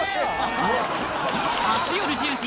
明日よる１０時